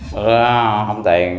bữa đó không tiền cũng tính